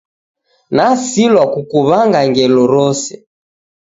Nasilwa kukuwanga ngelo rose